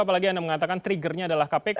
apalagi anda mengatakan triggernya adalah kpk